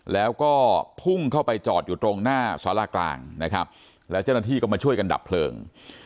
แล้วก็พุ่งเข้าไปจอดอยู่ตรงหน้าสารากลางนะครับแล้วเจ้าหน้าที่ก็มาช่วยกันดับเพลิง